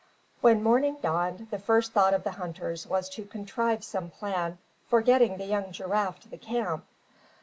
When morning dawned, the first thought of the hunters was to contrive some plan for getting the young giraffe to the camp.